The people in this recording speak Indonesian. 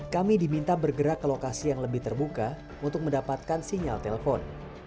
kami diminta bergerak ke lokasi yang lebih terbuka untuk mendapatkan sinyal telpon